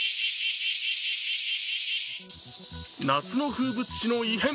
夏の風物詩の異変